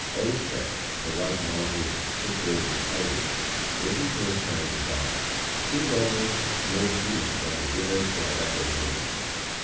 Old Shep, the white nozzled, stiff limbed collie, waiting for his time to die, seemed almost more human than the withered, dried up old woman.